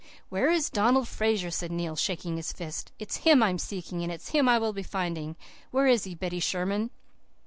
"'Where is Donald Fraser?' said Neil, shaking his fist. 'It's him I'm seeking, and it's him I will be finding. Where is he, Betty Sherman?